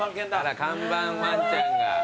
看板ワンちゃんが。